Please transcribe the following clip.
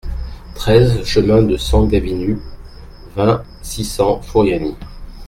treize chemin de San Gavinu, vingt, six cents, Furiani